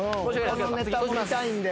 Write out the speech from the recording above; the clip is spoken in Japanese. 他のネタも見たいんで。